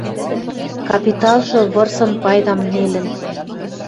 Капиталжы вырсын пайдам нелӹн